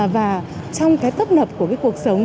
và trong cái tấp nập của cuộc sống